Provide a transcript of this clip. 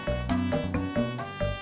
assalamualaikum salam ucad